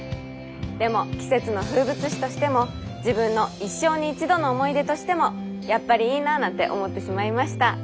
でも季節の風物詩としても自分の一生に一度の思い出としてもやっぱりいいななんて思ってしまいました。